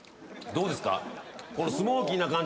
どうですか？